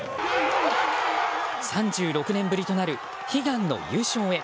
３６年ぶりとなる悲願の優勝へ。